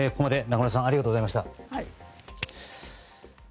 中村さんありがとうございました。